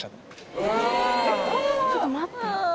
ちょっと待って。